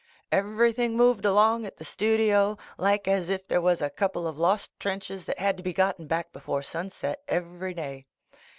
Everything moved along at the studio like as if there was a couple of lost trenches that had to be gotten back before sunset every day.